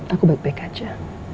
aku baik baik aja